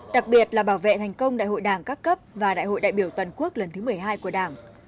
đặc biệt là bảo vệ thành công đại hội đảng các cấp và đại hội đại biểu toàn quốc lần thứ một mươi hai của đảng